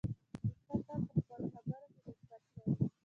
نیکه تل په خپلو خبرو کې حکمت لري.